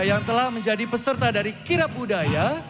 yang telah menjadi peserta dari kirabudaya